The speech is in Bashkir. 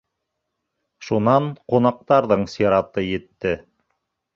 Шунан ҡунаҡтарҙың сираты етте.